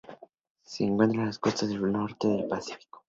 Se encuentran en las costas del noroeste del Pacífico.